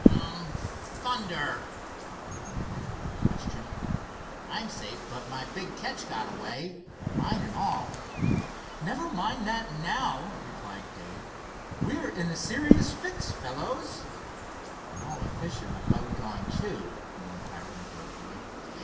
"U um! Thunder!" puffed the individual in question. "I'm safe, but my big catch got away, line and all." "Never mind that now," replied Dave. "We're in a serious fix, fellows." "And all the fish in the boat gone, too," mourned Hiram, dolefully.